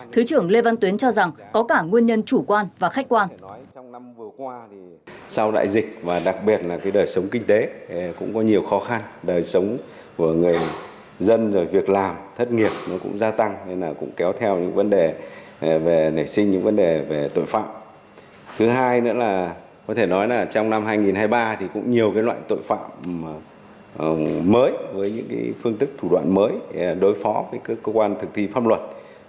thứ trưởng lê văn tuyến cho rằng có cả nguyên nhân chủ quan và khách quan